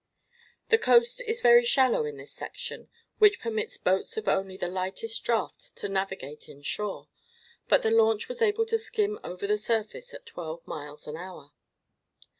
The coast is very shallow in this section, which permits boats of only the lightest draught to navigate in shore, but the launch was able to skim over the surface at twelve miles an hour.